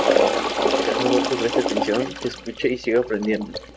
Será mejor que preste atención, que escuche y siga aprendiendo.